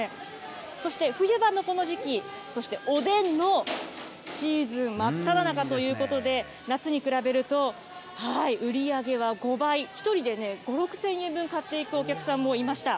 そして冬場のこの時期、そしておでんのシーズン真っただ中ということで、夏に比べると売り上げは５倍、１人でね、５、６０００円分買っていくお客さんもいました。